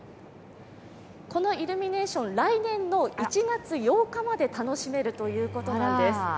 このイルミネーション、来年１月８日まで楽しめるということなんです。